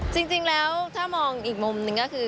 จริงแล้วถ้ามองอีกมุมหนึ่งก็คือ